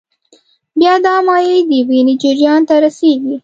بیا دا مایع د وینې جریان ته رسېږي.